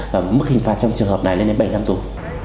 và mức hình phạt trong trường hợp này lên đến bảy năm tù